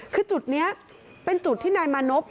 คือจุดนี้เป็นจุดที่นายมานพ